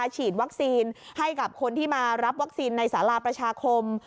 ฉีดวัคซีนให้กับคนที่มารับวัคซีนในสาราประชาคม